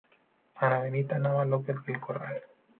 Ana Benita Nava López del Corral.